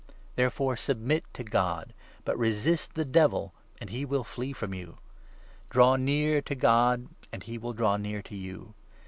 There 7 fore submit to God ; but resist the Devil, and he will flee from you. Draw near to God, and he will draw near to you.